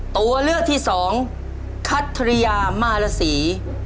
ตัวเลือกที่สุด